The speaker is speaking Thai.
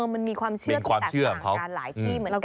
มันมีความเชื่อที่แตกต่างกันหลายที่เหมือนกัน